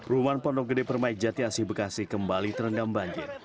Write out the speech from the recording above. rumahan pondok gede permai jati asih bekasi kembali terendam banjir